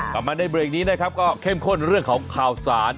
กลับมาในเบรกนี้นะครับก็เข้มข้นเรื่องของข่าวสาร